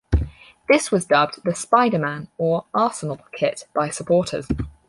This was dubbed the 'Spiderman' or 'Arsenal' kit by supporters.